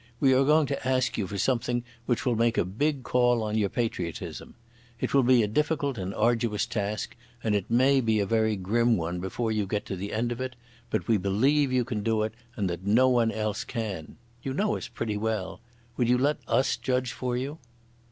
We are going to ask you for something which will make a big call on your patriotism. It will be a difficult and arduous task, and it may be a very grim one before you get to the end of it, but we believe you can do it, and that no one else can.... You know us pretty well. Will you let us judge for you?"